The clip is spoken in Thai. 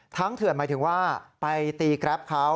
ทั้งเถื่อนหมายถึงว่าไปตีกราฟเขา